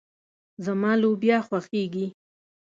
زما لوبيا خوښيږي.